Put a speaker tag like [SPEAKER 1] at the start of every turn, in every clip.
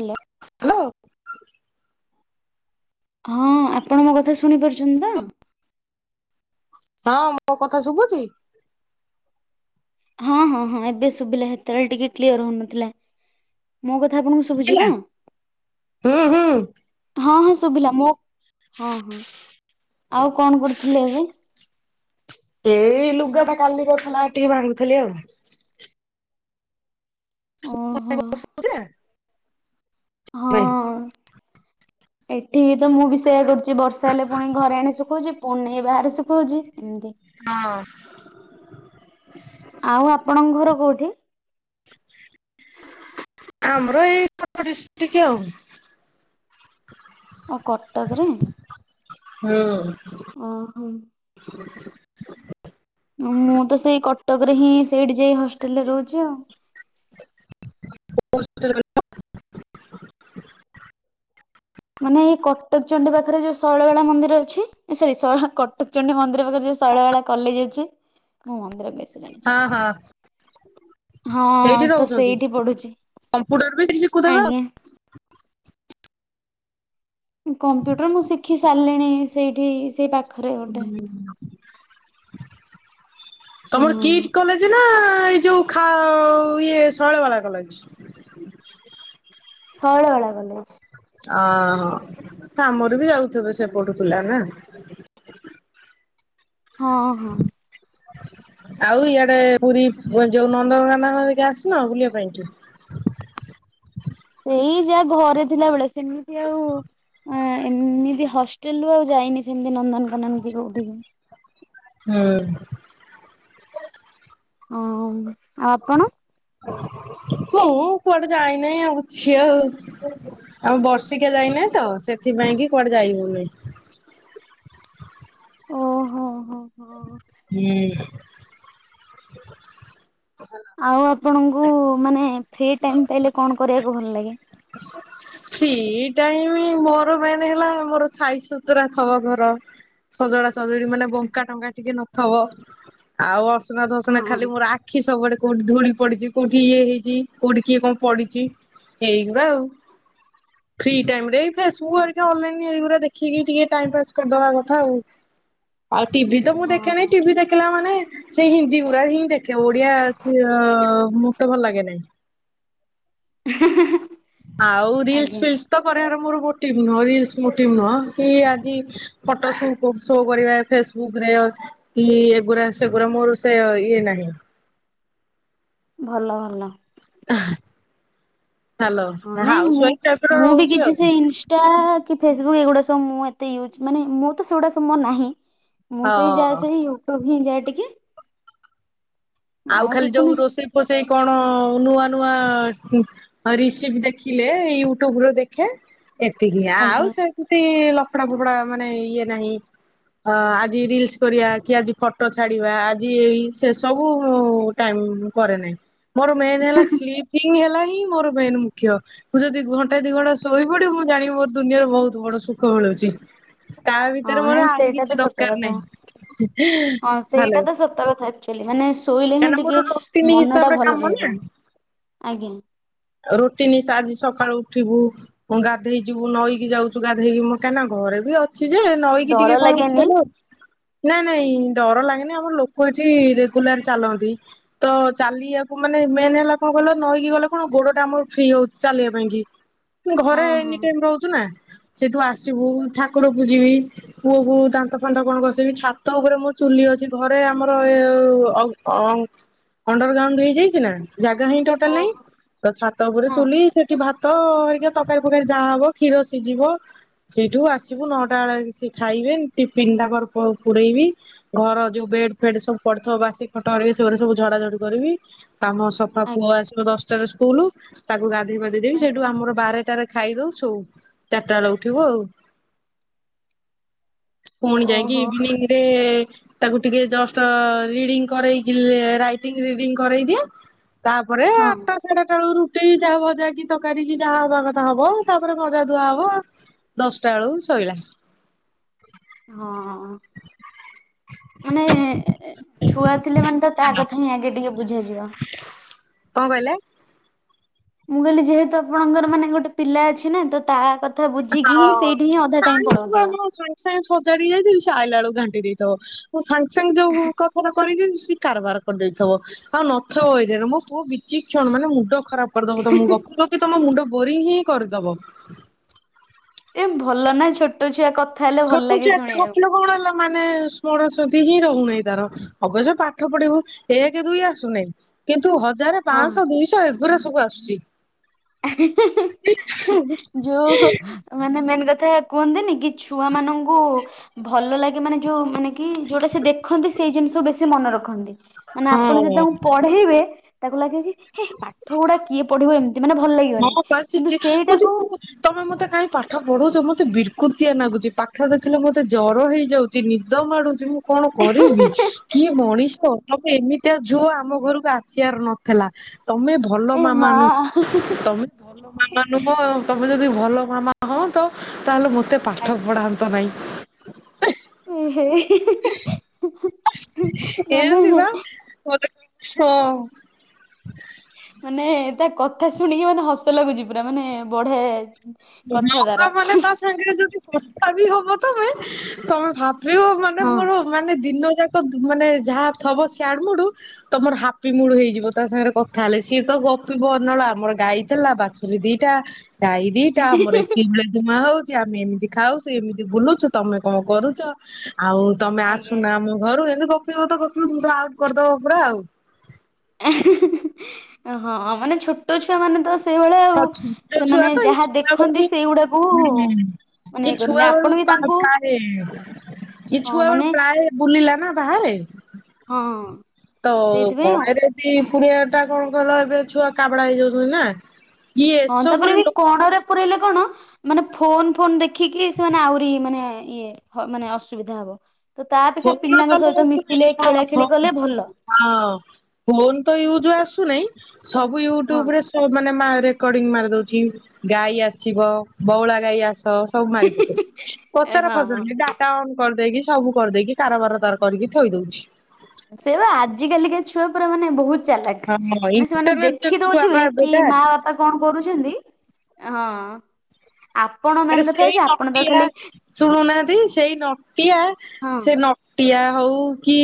[SPEAKER 1] Hello.
[SPEAKER 2] Hello.
[SPEAKER 1] ହଁ ଆପଣ ମୋ କଥା ଶୁଣି ପାରୁଛନ୍ତି ତ?
[SPEAKER 2] ହଁ ମୋ କଥା ଶୁଭୁଛି?
[SPEAKER 1] ହଁ- ହଁ- ହଁ ଏବେ ଶୁଭିଲା, ହେତେବେଳେ ଟିକେ କ୍ଲିଅର ହଉନଥିଲା। ମୋ କଥା ଆପଣଙ୍କୁ ଶୁଭୁଛି ତ?
[SPEAKER 2] ହୁଁ ହୁଁ
[SPEAKER 1] ହଁ- ହଁ ସୁ ଶୁଭିଲା ମୋ ହଁ- ହଁ, ଆଉ କଣ କରୁଥିଲେ ଏବେ?
[SPEAKER 2] ଏଇ ଲୁଗାଟା କାଲିର ଥେଲା ଟିକେ ଭାଙ୍ଗୁଥିଲି ଆଉ।
[SPEAKER 1] ଓହୋ
[SPEAKER 2] [unintelligible] ନାଇଁ
[SPEAKER 1] ହଁ। ଏଠି ବି ତ ମୁଁ ବି ସେୟା କରୁଛି ବର୍ଷା ହେଲେ, ପୁଣି ଘରେ ଆଣି ଶୁଖଉଛି ପୁଣି ନେଇ ବାହାରେ ଶୁଖଉଛି। ଏମିତି।
[SPEAKER 2] ହଁ।
[SPEAKER 1] ଆଉ ଆପଣଙ୍କ ଘର କୋଉଠି?
[SPEAKER 2] ଆମର ଏଇ କଟକ ଡିଷ୍ଟ୍ରିକ୍ ଆଉ।
[SPEAKER 1] ଓ କଟକରେ।
[SPEAKER 2] ହୁଁ।
[SPEAKER 1] ଅହୋ।
[SPEAKER 2] [unintelligible]
[SPEAKER 1] ମୁଁ ତ ସେଇ କଟକ ରେ ହିଁ ସେଇଠି ଯାଇ ହଷ୍ଟେଲରେ ରହୁଛି ଆଉ।
[SPEAKER 2] କଉ ହଷ୍ଟେଲ କଇଲ?
[SPEAKER 1] ମାନେ ଏ କଟକ ଚଣ୍ଡୀ ପାଖରେ ଯୋଉ ଶୈଳବାଳା ମନ୍ଦିର ଅଛି ଏ ସରି ସ କଟକ ଚଣ୍ଡୀ ମନ୍ଦିର ପାଖରେ ଯ ଶୌଳବାଳା କଲେଜ ଅଛି ମୁଁ ମନ୍ଦିର କହି ସାରିଲିଣି
[SPEAKER 2] ହଁ ହଁ।
[SPEAKER 1] ଛାଡ।
[SPEAKER 2] ସେଇଠି
[SPEAKER 1] ହଁ ତ
[SPEAKER 2] ରହୁଛନ୍ତି।
[SPEAKER 1] ସେଇଠି ପଢୁଛି
[SPEAKER 2] କମ୍ପୁଟର ବି ସେଠି ଶିଖୁଥିବେ ଆଉ।
[SPEAKER 1] ଆଜ୍ଞା। [inaudible] କମ୍ପ୍ୟୁଟର ମୁଁ ଶିଖି ସାରଲିଣି ସେଇଠି ସେଇ ପା
[SPEAKER 2] ହୁଁ। ତମର
[SPEAKER 1] ହଁ
[SPEAKER 2] କିଟ କଲେଜ ନା ଏଇ ଯୋଉ ଖା ଇଏ ଶୈଳବାଳା କଲେଜ୍‌।
[SPEAKER 1] ଶୌଳବାଳା କଲେଜ୍‌।
[SPEAKER 2] ଅହୋ ଆମର ବି ଯାଉଥିବେ ସେପଟୁ ପିଲା ନା।
[SPEAKER 1] [inaudible] ହଁ ହଁ।
[SPEAKER 2] ଆଉ ଇଆଡେ ପୁରୀ ଯୋଉ ନନ୍ଦନକାନନ ରିକା ଆସିବ ବୁଲିବା ପାଇଁକି।
[SPEAKER 1] ସେଇ ଯାହା ଘରେ ଥିଲା ବଳେ ସେମିତି ଆଉ ଏମିତି ହଷ୍ଟେଲ ରୁ ଆଉ ଯାଇନି ସେମିତି ନନ୍ଦନକାନନ କି କୋଉଠିକି?
[SPEAKER 2] ହୁଁ।
[SPEAKER 1] ହଁ ଆଉ ଆପଣ।
[SPEAKER 2] ହଁ କୁଆଡେ ଯାଇନାହିଁ ଅଛି ଆଉ। ଆଉ ବର୍ଷିକା ଯାଇନାହିଁ ତ ସେଥିପାଇଁ କି କୁଆଡେ ଯାଇହଉନି।
[SPEAKER 1] ହ [unintelligible] ଓ ହୋ ହୋ ହୋ।
[SPEAKER 2] ହୁଁ।
[SPEAKER 1] ଆଉ ଆପଣଙ୍କୁ ମାନେ ଫ୍ରି ଟାଇମ ପାଇଲେ କଣ କରିବାକୁ ଭଲ ଲାଗେ?
[SPEAKER 2] ଫ୍ରି ଟାଇମି ମୋର ମେନ୍ ହେଲା ମୋର ଛାଇସୁତୁରା ଥବ ଘର ସଜଡ଼ା ସଜୁୁରି ମାନେ ବଙ୍କା ଟଙ୍କା ଟିକେ ନଥବ, ଆଉ ଅସନା ଧସନା ଖାଲି
[SPEAKER 1] ହଁ
[SPEAKER 2] ମୋର ଆଖି ସବୁଆଡେ କୋଉଠି ଧୂଳି ପଡିଛି କୋଉଠି ଇଏ ହେଇଛି କୋଉଠି କିଏ କଣ ପଡିଛି ହେଇନ ବାଉ ଫ୍ରି ଟାଇମ୍ ରେ ଏ ଫେସବୁକ୍ ରିକା ଅନଲାଇନ୍ ଏଇଗୁଡ଼ା ଦେ ଖିକି ଟିକେ ଟାଇମ ପାସ୍ କରିଦବା କଥା ଆଉ। ଆଉ ଟିଭି ତ ମୁଁ ଦେଖେନି
[SPEAKER 1] ହଁ
[SPEAKER 2] ଟିଭି ଦେଖିଲା ମାନେ ସେ ହିନ୍ଦୀ ଗୁରାଡ ହିଁ ଦେଖେ ଓଡିଆ ସି ମତେ ଭଲ ଲାଗେ ନାଇଁ।
[SPEAKER 1] [unintelligible]
[SPEAKER 2] ଆଉ ରିଲସ
[SPEAKER 1] ଆଜ୍ଞା
[SPEAKER 2] ଫିଲ୍ସ କରିବା। [unintelligible] କି ଏଗୁରା ସେଗୁଡା ମୋର ସେ ଇଏ ନାହିଁ।
[SPEAKER 1] ଭଲ ଭଲ।
[SPEAKER 2] [unintelligible]
[SPEAKER 1] ହଁ ନାଇଁ
[SPEAKER 2] ହାଉସ
[SPEAKER 1] ମୁଁ
[SPEAKER 2] ୱାଇଫ ଟାଇପ ର
[SPEAKER 1] ମୁଁ ବି
[SPEAKER 2] ରହୁଛି
[SPEAKER 1] କିଛି
[SPEAKER 2] ଆଉ
[SPEAKER 1] ସେ ଇନଷ୍ଟା କି ଫେସବୁକ୍ ଏଗୁଡା ସବୁ ମୁଁ ଏତେ ୟୁଜ ମାନେ ମୁଁ ତ ସେଗୁଡା ସବ ମୋର ନାହିଁ ମୁଁ ସେଇ
[SPEAKER 2] ହଁ।
[SPEAKER 1] ଯାଏ ସେଇ ୟୁଟ୍ୟୁବ ହିଁ ଯାଏ ଟିକେ।
[SPEAKER 2] ଆଉ ଖାଲି
[SPEAKER 1] କିଛି
[SPEAKER 2] ଯୋଉ
[SPEAKER 1] ନାହିଁ
[SPEAKER 2] ରୋଷେଇ ଫୋଷେଇ କଣ ନୂଆ ନୂଆ ରିଶିପ ଦେଖିଲେ ୟୁଟ୍ୟୁବରେ ଦେଖେ ଏତିକି ଆଉ
[SPEAKER 1] ଆଜ୍ଞା।
[SPEAKER 2] ସେମତି ଲଫଡା ଫୋପଡା ମାନେ ଇଏ ନାହିଁ। ଅ ଆଜି ରିଲସ କରିବା କି ଆଜି ଫଟୋ ଛାଡିବା ଆଜି ଏଇ ସେ ସବୁ ବୁ ଟାଇମ୍ କରେ ନାଇଁ ମୋର ମେନ୍ ହେଲା ସ୍ଲିପିଙ୍ଗ ହେଲାନି ମୋର ପାଇଁ ମୁଖ୍ୟ ମୁଁ ଯଦି ଘଣ୍ଟା ଦି ଘଣ୍ଟା ଶୋଇ ପଡିବ ମୁଁ ଜାଣି ମୋର ଦୁନିଆରେ ବହୁତ ବଡ ସୁଖ ମିଳିବ। ତା ଭିତରେ
[SPEAKER 1] ହଁ
[SPEAKER 2] ମୋର
[SPEAKER 1] ନାଇଁ
[SPEAKER 2] ଆଉ
[SPEAKER 1] ସେଇଟା ତ
[SPEAKER 2] କିଛି
[SPEAKER 1] ସତ
[SPEAKER 2] ଦରକାର
[SPEAKER 1] କଥା
[SPEAKER 2] ନାହିଁ।
[SPEAKER 1] ହଁ ସେଇଟା
[SPEAKER 2] ହଲୋ!
[SPEAKER 1] ତ ସତ କଥା ଆକ୍ଚୁଆଲି ମାନେ ଶୋଇଲେ ହିଁ ଟିକେ ମନ ଟା
[SPEAKER 2] ହିସାବରେ
[SPEAKER 1] ଭଲ
[SPEAKER 2] କାମ
[SPEAKER 1] ରହିବ ଆଜ୍ଞା।
[SPEAKER 2] ରୁଟିନ୍ ହିସାବରେ ଆଜି ସକାଳୁ ଉଠିବୁ ଗାଧେଇ ଯିବୁ ନଈକି ଯାଉଛୁ ଗାଧେଇକି ମଁ କହିନା କ ଘରେ ବି ଅଛି ଯେ, ନଈକି ଟିକେ
[SPEAKER 1] ଡର
[SPEAKER 2] କଣ
[SPEAKER 1] ଲାଗେନି
[SPEAKER 2] ଅଛିରିବ ନାଇ ନାଇଁ ଡର ଲାଗେନି ଆମର ଲୋକ ଏଠି ରେଗୁଲାର ଚାଲନ୍ତି। ତ ଚାଲିବାକୁ ମାନେ ମେନ୍ ହେଲା କଣ କ ନହଁ କି ଗଲେ କଣ ଗୋଡ ଟା ଆମର ଫ୍ରି ହଉଛି ଚାଲିବା ପାଇଁ? କି ଘରେ
[SPEAKER 1] ହଁ ହଁ
[SPEAKER 2] ଏନି ଟାଇ ରହୁଛୁ ନା। ସେଠୁ ଆସିବୁ, ଠାକୁରକୁ ଯିବି ପୁଅ କ ଦାନ୍ତ ଫାନ୍ନ୍ତ କଣ ଘସେଇିବି ଛାତ ଉପରେ ମୋ ଚୁଲି ଘରେ ଆମର ଅଣ୍ଡର ଗ୍ରାଉଣ୍ଡ ହେଇଯାଇଛି ନା ଜାଗା ହିଁ ଟୋଟାଲ ନାଇଁ।
[SPEAKER 1] ଓହୋ
[SPEAKER 2] ତ ଛାତ ଉପରେ
[SPEAKER 1] ହଁ
[SPEAKER 2] ଚୁଲି ସେଠି ଭାତ ହେଇ ତରକାରୀ ପକକାରୀ ଯାହା ହବ କ୍ଷୀର ସିଝିବ, ସେଇଠୁ ଆସିବୁ ନଅଟା ବେଳେ ବସିକି ଖାଇବେ ଟିଫନ୍ ତାର ପୁରଡେଇବି, ଘର ଯୋଉ ବେଡ ଫେଡ ସବୁ ପଡିଥିବ ବାସି ଖଟ ସେରେ ସବୁ ଝଡାଝଡ କରିବି। କାମ ସଫା ପୁଅ
[SPEAKER 1] ଆଜ୍ଞା
[SPEAKER 2] ଆସିବ ଦଶଟାରେ ସ୍କୁଲ ତାକୁ ଗାଧୋଇବାଧି ଦେବି
[SPEAKER 1] ଆଜ୍ଞା।
[SPEAKER 2] ସେଇଠୁ ଆମର ବାରଟାରେ ଖାଇ ଦେଇ ଶୋଉ ଚାରିଟା ବେଳେ ଉଠିବି ଆଉ। ପୁଣି
[SPEAKER 1] ଓହୋ
[SPEAKER 2] ଯାଇକି
[SPEAKER 1] ହଁ
[SPEAKER 2] ଇଭିନିଂ ରେ ତାକୁ ଟିକେ ଜଷ୍ଟ ରିଡିଙ୍ଗ କରରେଇକି ରାଇଟିଂ ରିଡିଙ୍ଗ କରେଇ ଦିଏ। ତାପରେ ଆଟା ରୁ ଉଠିଇ ରୁଟି ଯାହା ଭଜା କି ତରକାରୀ କି ଯାହା ହବା କଥା ହବ ତାପରେ ମଜା ଦୁଆ ହବ। ଦଶଟା ବେଳକୁ ଶଇଲା।
[SPEAKER 1] ହଁ ମାନେ ଛୁଆ ଥିଲେ ମାନେ ତ ତା କଥା ହିଁ ଆଗେ ଟିକେ ବୁଝା ଯିବା।
[SPEAKER 2] କଣ କହିଲେ?
[SPEAKER 1] ମୁଁ କହିଲି ଯେହେତୁ ଆପଣଙ୍କର ମାନେ ଗୋଟେ ପିଲା ଅଛି ନା ତ ତା କଥା? ବୁଝିକି
[SPEAKER 2] ହଁ
[SPEAKER 1] ହିଁ ସେଇଠି ହିଁ ଅଧା ଟାଇମ
[SPEAKER 2] ତାହା
[SPEAKER 1] ପଳଉଥିବ।
[SPEAKER 2] ମୁଁ ସାଙ୍ଗେ ସାଙ୍ଗେ ସଜାଡି କି ଯାଇଥିବି ସେ ଅଇଲା ବେଳକୁ ଘାଣ୍ଟି ଦେଇଥବ ମୁଁ ସାଙ୍ଗେ ସାଙ୍ଗେ ଯୋଉ କପଡା ଖୋଲିଦେଇଥିବି କାରବାର କରିଦେଇଥିବ ଆଉ ନାଥବ ଏଇ ଯାଏ ମୋ ପୁଅ ବିଛିକ୍ଷଣ ମାନେ ମୁଣ୍ଡ ଖରାପ କରିଦବ ତମ ଗପି ଗପି ତମ ମୁଣ୍ଡ ବୋରୀଙ୍ଗ ହିଁ କରିଦବ।
[SPEAKER 1] ଏ ଭଲ ନା ଛୋଟ ଛିଆ କଥା। ହେଲେ ଭଲ
[SPEAKER 2] ଛୋଟ
[SPEAKER 1] ଲାଗେ
[SPEAKER 2] ଛୁଆ ଏତେ
[SPEAKER 1] ଶୁଣିବାକୁ।
[SPEAKER 2] ଗପିଲେ କଣ ହେଲା ମାନେ ସ୍ମରଣ ଶକ୍ତି ହିଁ ରହୁନାହିଁ ତାର ଅବଶ୍ୟ ପାଠ ପଢିଇବୁ ଏକ ଦୁଇ ଆସୁନାହିଁ କିନ୍ତୁ ହ ହଜାରେ ପାଞ୍ଚଶହ ଦୁଇଶହ ଏଗୁଡା ସବୁ ଆସୁଛି।
[SPEAKER 1] ଯୋଉ ମାନେ ମେନ୍ କଥା କୁହନ୍ତିନି କି? ଛୁଆ ମାନଙ୍କୁ ଭଲ ଲାଗେ ମାନେ ଯୋଉ ମାନେ? କି ଯୋଉଟା ସେ ଦେଖନ୍ତି ସେଇ ଜିନିଷ ବେଶୀ ମନେ ରଖନ୍ତି ମାନେ ଆପଣ ଯଦି
[SPEAKER 2] ହଁ।
[SPEAKER 1] ତାଙ୍କୁ ପଢେଇବେ କି? ତାକୁ ଲାଗେ କି ହେ ପାଠ ଗୁଡା କିଏ ପଢିବ ଏମତି?
[SPEAKER 2] ହଁ ବସିଛି କହୁଛି ତମେ ମତେ କାହିଁ ପାଠ ପଢୁଛ ମତେ ମୁଁ। ମତେ ବିରକୁତିଆ ଲାଗୁଛି ପାଠ ଦେଖିଲେ ମତେ ଜର ହେଇଯାଉଛି ନିଦ ମାଡୁଛି ମୁଁ। କଣ କରିବି କି ମଣିଷ? ତମେ ଏମିତିଆ ଝିଅ ଆମ ଘରକୁ ଆସିବାର ନଥିଲା ତମେ ଭଲ ମା ମା ନୁହେଁ। ତମେ ଭଲ ମାମା ନୁହଁ ଆଉ ତମେ ଯଦି ଭଲ ମାମା ହଅ ତ ତାହେଲେ ମତେ। ଏତେ ପାଠ
[SPEAKER 1] ଆଜ୍ଞା
[SPEAKER 2] ପଢ଼ାନ୍ତ ନାହିଁ।
[SPEAKER 1] ମାନେ
[SPEAKER 2] ଏମେତି ପା ମୋତେ ହଅ।
[SPEAKER 1] ମାନେ ତା କଥା ଶୁଣିକି ମାନେ ହସ ଲାଗୁଛି ପୁରା ମାନେ ବଢିଆ।
[SPEAKER 2] ହ
[SPEAKER 1] କଥା
[SPEAKER 2] ପା
[SPEAKER 1] ତାର
[SPEAKER 2] ମାନେ ତା ସାଙ୍ଗରେ ଯଦି କଥା ବି ହବ ତମେ ତମେ ଭାବି ମାନେ
[SPEAKER 1] ହଁ
[SPEAKER 2] ମୋର ମାନେ ଦିନ ଯାକ ମାନେ ଯାହା ଥବ ସାଡ ମୁଡ୍ ତମର ହାପି ମୁଡ୍ ହେଇଯିବ ତା ସାଙ୍ଗରେ କଥା ହେଲେ ସିଏ ତ ଗପିବ ଅନଳ ଆମର ଗାଈ ଥିଲା ବାଛୁରୀ ଦିଟା ଗାଈ ଏଟା ଆମର ଏତିକି ଭଳିଆ ଧୂଆଁ ହଉଛି ଆମେ ଏମିତି ଖାଉଛୁ ଏମିତି ବୁଲୁଛୁ ତମେ କଣ କରୁଛ? ଆଉ ତମେ
[SPEAKER 1] ଆଜ୍ଞା।
[SPEAKER 2] ଆସୁନା ଆମ ଘରୁ ଏମିତି ଗପି ବତ ଗପିବ ପୁରା ଆଉଟ୍ କରିଦବ ପୁରା ଆଉ
[SPEAKER 1] ଏଁ ହେଁ ହେଁ ହଁ ମାନେ ଛୋଟ ଛୁଆ ମାନେ ତ ସେଇଭଳିଆ ଆଉ।
[SPEAKER 2] ହଁ ଛୋଟ ଛୁଆ
[SPEAKER 1] ସେମାନେ
[SPEAKER 2] ତ
[SPEAKER 1] ଯାହା
[SPEAKER 2] ଛୁଆବେଳୁ
[SPEAKER 1] ଦେଖନ୍ତି
[SPEAKER 2] ଭି
[SPEAKER 1] ସେଇଗୁଡାକୁ ମାନେ
[SPEAKER 2] ଇଏ
[SPEAKER 1] କରନ୍ତି
[SPEAKER 2] ଛୁଆ
[SPEAKER 1] ଆପଣ
[SPEAKER 2] ବେଳୁ
[SPEAKER 1] ବି
[SPEAKER 2] ପା
[SPEAKER 1] ତାଙ୍କୁ
[SPEAKER 2] ଖାଏ ଇଏ
[SPEAKER 1] ହଁ
[SPEAKER 2] ଛୁଆ
[SPEAKER 1] ମାନେ
[SPEAKER 2] ବେଳୁ ପ୍ରାୟେ ବୁଲିଲା ନା ବାହାରେ
[SPEAKER 1] ହଁ
[SPEAKER 2] ତ
[SPEAKER 1] ସେଇଥିପାଇଁ ଆଉ
[SPEAKER 2] ଗଣରେ ବି ପୁରେଇବାଟା କଣ କହିଲ ଏବେ ଛୁଆ କାବେଡା ହେଇଯାଉଛନ୍ତି ନା ଇଏ
[SPEAKER 1] ହଁ ତାପରେ
[SPEAKER 2] ଏସବୁରେ
[SPEAKER 1] ବି
[SPEAKER 2] ଲୋ
[SPEAKER 1] କଣରେ ପୁରେଇଲେ କଣ ମାନେ ଫୋନ ଫୋନ ଦେଖିକି ସେମାନେ ଆହୁରି ମାନେ ଇଏ ହ ମାନେ ଅସୁବିଧା ହବ ତ ତା ଅପେକ୍ଷା
[SPEAKER 2] ଫୋନ
[SPEAKER 1] ପିଲାଙ୍କ
[SPEAKER 2] ଚଲେଇ
[SPEAKER 1] ସହିତ
[SPEAKER 2] ଆସୁନି
[SPEAKER 1] ମିଶିଲେ
[SPEAKER 2] ଶୁଣ
[SPEAKER 1] ଖେଳା ଖେଳି କଲେ ଭଲ।
[SPEAKER 2] ହଁ ଫୋନ ତ ୟୁଜ ଆସୁନାହିଁ ସବୁ
[SPEAKER 1] ହଁ।
[SPEAKER 2] ୟୁଟ୍ୟୁବରେ ସୋ ମାରେ ରେକଡିଂ ମାରିଦଉଛି ଗାଈ ଆଛିବ ବଉଳା ଗାଈ ଆସ ସବୁ ମାରି ପକୋଉଛି
[SPEAKER 1] ଏ
[SPEAKER 2] ପଚାର
[SPEAKER 1] ହଁ ହଁ।
[SPEAKER 2] ପଚରୁନି ଡାଟା ଅନ୍ କରିଦେଇକି ସବୁ କରିଦେଇକି କାରବାର ତାର କରିକି ଥୋଇ ଦଉଛି।
[SPEAKER 1] ସେଇଆ ପା ଆଜି କାଲିକା ଛୁଆ ପୁରା ମାନେ ବହୁତ୍ ଚାଲାଖ
[SPEAKER 2] ହଁ
[SPEAKER 1] ମାନେ ସେମାନେ
[SPEAKER 2] ଇଣ୍ଟରନେଟ
[SPEAKER 1] ଦେଖି
[SPEAKER 2] ଛୁଆ
[SPEAKER 1] ଦଉଥିବେ,
[SPEAKER 2] ବା
[SPEAKER 1] କି
[SPEAKER 2] ଏବେକା।
[SPEAKER 1] ମା ବାପା କଣ କରୁଛନ୍ତି। ହଁ। ଆପଣ
[SPEAKER 2] ଆରେ
[SPEAKER 1] ମେନ୍ କଥା
[SPEAKER 2] ସେଇ
[SPEAKER 1] ହଉଛି ଆପଣ ତ
[SPEAKER 2] ନଟିଆ
[SPEAKER 1] ଖାଲି
[SPEAKER 2] ଶୁଣୁନାହାନ୍ତି ସେଇ ନଟିଆ
[SPEAKER 1] ହଁ
[SPEAKER 2] ସେ ନଟିଆ ହଉ କି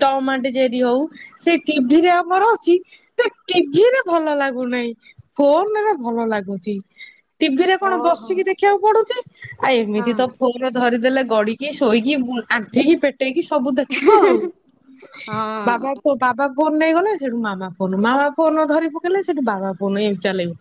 [SPEAKER 2] ଟମ ଆଣ୍ଡ ଜେରୀ ହଉ ସେ ଟି ଭି ରେ ଆମର ଅଛି। ସେ ଟି ରେ ଭଲ ଲାଗୁନାହିଁ ଫୋନରେ ଭଲ ଲାଗୁଛି ଟିଭିରେ କଣ
[SPEAKER 1] ଓହୋ
[SPEAKER 2] ବସିକି ଦେଖ ପଡୁଚି ଆ
[SPEAKER 1] ହଁ
[SPEAKER 2] ଏମିତି ତ ଫୋନ ଧରିଦେଲେ ଗଡିକି, ସୋଇକି ଉଁ ଆଣ୍ଠେଇକି ପେଟ ପେଟେଇକି ସବୁ ଦେଖିବ ଆଉ ବାବା
[SPEAKER 1] ହଁ
[SPEAKER 2] ତ ବାବା ଫୋନ ନେଇ ଗଲେ ସେଠୁ ମାମା ଫୋନ ମାମା ଫୋନ ଧରି ପକେଇଲେ ସେଠୁ ବାବା ଫୋନ୍ ଏନ୍ତି ଚଲେଇବ।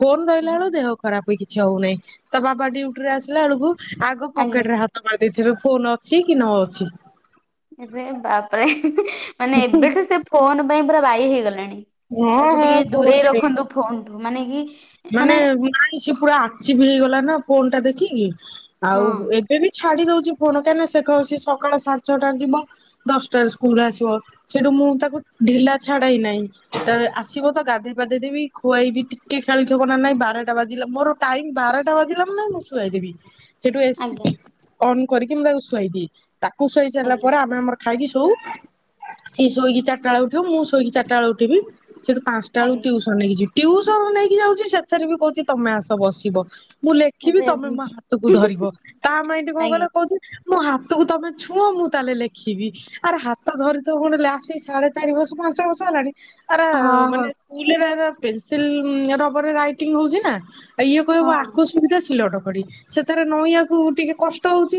[SPEAKER 2] ଫୋନ ଧଇଲା ବେଳକୁ ଦେହ ଖରାପ କିଛି ହଉନାହିଁ ତା ବାବା ଡ୍ୟୁଟିରେ ଆସିଲା ବେଳକୁ ଆଗ
[SPEAKER 1] ଆଜ୍ଞା।
[SPEAKER 2] ପକେଟରେ ହାତ ମାରି ଦେଇ ଥିବେ ଫୋନ ଅଛି କି ନଅଛି।
[SPEAKER 1] ଇରେ ବାପରେ ହିଁ ହିଁ ମାନେ ଏବେଠୁ ସେ ଫୋନ ପାଇଁ ପୁରା ବାଇ ହେଇଗଲାଣି।
[SPEAKER 2] ହଁ
[SPEAKER 1] ତାକୁ
[SPEAKER 2] ହଁ
[SPEAKER 1] ଟିକେ ଦୂରେଇ
[SPEAKER 2] କୁହନି।
[SPEAKER 1] ରଖନ୍ତୁ ଫୋନ ଟୁ ମାନେ କି
[SPEAKER 2] ମାନେ ନାଇଁ ସେ ପୁରା ଆଚିିବି ହେଇଗଲା ନା ଫୋନ ଟା ଦେଖିକି।
[SPEAKER 1] ହଁ
[SPEAKER 2] ଆଉ ଏବେ ବି ଛୁ ଛାଡି ଦଉଛି ଫୋନ, କାହିଁକିନା ସେ କହୁଛି ସକାଳେ ସାଢ଼େ ଛଟାରେ ଯିବ, ଦଶଟାରେ ସ୍କୁଲ ଆସିବ ସେଠୁ ମୁଁ ମୁଁ ତାକୁ ଢିଲା ଛାଡେଇ ନାହିଁ ତ ଆସିବ ତ ଗାଧୋଇ ପାଧେଇ ଦେବି ଖୁଆଇବି ଟିକେ ଖେଳିଥିବ ନା ନାଇଁ ବାରଟା ବାଜିଲା ମୋର ଟାଇମ ବାରଟା ବାଜିଲା ମାନେ ମୁଁ ଶୁଆଇ ଦେବି। ସେଇଠୁ ଏସି
[SPEAKER 1] ଆଜ୍ଞା
[SPEAKER 2] ଅନ୍ କରିକି ମୁ ତାକୁ ଶୁଆଇ ଦିଏ ତାକୁ ଶୁଆଇ ସାରିଲା
[SPEAKER 1] ଆଜ୍ଞା
[SPEAKER 2] ପରେ ଆମେ ଆମର ଖାଇକି ଶୋଉ ସିଏ ଶୋଇକି ଚାରିଟା ବେଳେ ଉଠିବ ମୁଁ ଶୋଇକି ଚାରିଟା ବେଳେ ଉଠିବି। ସେଠୁ ପାଞ୍ଚଟା ବେଳକୁ
[SPEAKER 1] ଆଜ୍ଞା
[SPEAKER 2] ଟୁସନ ନେଇକି ଟିୟୁସନ ନେଇକି ଯାଉଛି ସେଥିରେ ବି କହୁଛି ତମେ ଆସ ବସିବ। ମୁଁ ଲେଖିବି
[SPEAKER 1] ଏବେ
[SPEAKER 2] ତମେ ମୋ ହାତକୁ ଧରିବ ତା ମାଇଣ୍ଡ କଣ
[SPEAKER 1] ଆଜ୍ଞା
[SPEAKER 2] କଲ କହୁଛି ମୋ ହାତକୁ ତମେ ଛୁଅଁ ମୁଁ ତାହେଲେ ଲେଖିବି ଆରେ ହାତ ଧରିଥୁବ ଫୁଣି ଲାସୀ ସାଢେ ଚାରି ବର୍ଷ ପାଞ୍ଚ ବର୍ଷ ହେଲାଣି। ଆରା
[SPEAKER 1] ହଁ
[SPEAKER 2] ମାନେ
[SPEAKER 1] ହଁ
[SPEAKER 2] ସ୍କୁଲରେ ପେନସିଲ ଉଁ ଆଉ ରବରରେ ରାଇଟିଙ୍ଗ ହଉଛି ନା ଆଉ ଇଏ କହିବ
[SPEAKER 1] ହଁ
[SPEAKER 2] ଆକୁ ସୁବିଧା ଶିଲଟ ଖଡ଼ି ସେଥିରେ ନଇଁବାକୁ ଟିକେ କଷ୍ଟ ହଉଛି।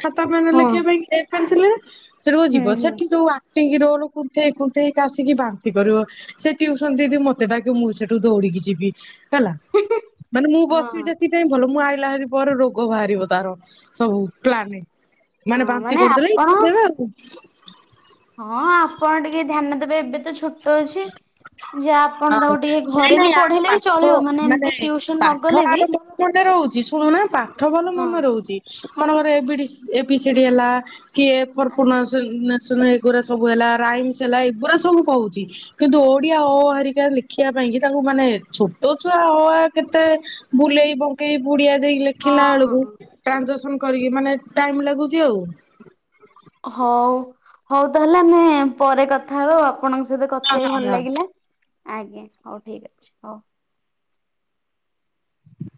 [SPEAKER 2] ଖାତା ପେନ
[SPEAKER 1] ହଁ
[SPEAKER 2] ଲେଖିବା ପାଇଁ ଏ ପେନସିଲ ରେ ସେଠୁ ଯିବ
[SPEAKER 1] ହୁଁ ହୁଁ।
[SPEAKER 2] ସେଠି ଯୋଉ ଆ ପି ରୋଲ କୁନ୍ଥେଇ କୁନ୍ଥେଇ କାସିକି ବାନ୍ତି କରିବ ସେ ଟ୍ୟୁସନ ଦିଦି ମତେ ଡାକିବ ମୁଁ ସେଠୁ ଦୌଡିକି ଯିବି। ହେଲା ମାନେ ମୁଁ ବସିବି
[SPEAKER 1] ହଁ
[SPEAKER 2] ଯେତିକ ଟାଇମ ଭଲ ମୁଁ ଆ ଅଇଲାଭାରି ପରେ ରୋଗ ବାହାରିବ ତାର ସବୁ ପ୍ଲାନ। ମାନେ
[SPEAKER 1] ହଁ
[SPEAKER 2] ବାନ୍ତି କରିଦେଲେ କି
[SPEAKER 1] ଆପଣ
[SPEAKER 2] ଛାଡ଼ି ଦେବେ ଆଉ।
[SPEAKER 1] ହଁ ଆପଣ ଟିକେ ଧ୍ୟାନ ଦେବେ ଏବେ ତ ଛୋଟ ଅଛି। ଯେ
[SPEAKER 2] ହଁ
[SPEAKER 1] ଆପଣ ତାକୁ ଟିକେ
[SPEAKER 2] ନାଇଁ
[SPEAKER 1] ଘରେ ବି
[SPEAKER 2] ନାଇଁ ଆର
[SPEAKER 1] ପଢେଇଲେ ବି
[SPEAKER 2] ପାଠ
[SPEAKER 1] ଚଳିବ ମାନେ ଏମତି ଟ୍ୟୁସନ ନଗଲେ ବି
[SPEAKER 2] ଶୁଣନା ପାଠ ଭଲ
[SPEAKER 1] ହଁ
[SPEAKER 2] ମନେ ରହୁଛି ମନେକର A B D A B C D ହେଲା। କି ଏ ଫର
[SPEAKER 1] ଆଜ୍ଞା
[SPEAKER 2] ପ୍ରନାଉନ୍ସ [unintelligible] ଏଗୁରା ସବୁ ହେଲା ରାଇମ୍ସ ହେଲା ଏଗୁରା ସବୁ କହୁଛି। କିନ୍ତୁ ଓଡିଆ ଅ ହରିକା ଲେଖିବା ପାଇଁ କି ତାଙ୍କୁ ମାନେ ଛୋଟ ଛୁଆ ଅ ଆ କେତେ ବୁ ଲେଇ ବଙ୍କେଇ ବୁଡ଼ିଆ ଦେଇକି
[SPEAKER 1] ହଁ
[SPEAKER 2] ଲେଖିଲା ଏଳକୁ
[SPEAKER 1] ହଁ
[SPEAKER 2] ଟ୍ରାଜାସନ କରିକି ମାନେ ଟାଇମ ଲାଗୁଚି ଆଉ।
[SPEAKER 1] ହଉ ହଉ ତାହେଲେ ଆମେ ପରେ କଥା ହେବା ଆପଣଙ୍କ ସହିତ
[SPEAKER 2] ହଁ
[SPEAKER 1] କଥା ହେଇି
[SPEAKER 2] ହଁ
[SPEAKER 1] ଭଲ
[SPEAKER 2] ହଁ।
[SPEAKER 1] ଲାଗିଲା ଆଜ୍ଞା ହଉ ଠିକ ଅଛି ହଉ।